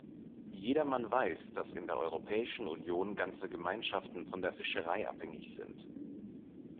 Jedermann weiß, dass in der Europäischen Union ganze Gemeinschaften von der Fischerei abhängig sind.